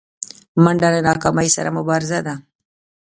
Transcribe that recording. منډه له ناکامۍ سره مبارزه ده